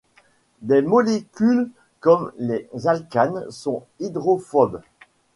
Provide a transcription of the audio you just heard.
Des molécules comme les alcanes sont hydrophobes.